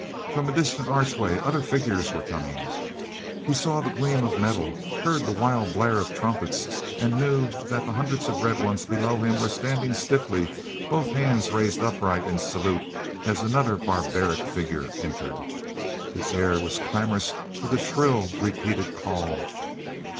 From a distant archway other figures were coming. He saw the gleam of metal, heard the wild blare of trumpets, and knew that the hundreds of red ones below him were standing stiffly, both hands raised upright in salute as another barbaric figure entered. The air was clamorous with a shrill repeated call.